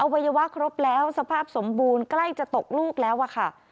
วัยวะครบแล้วสภาพสมบูรณ์ใกล้จะตกลูกแล้วอะค่ะ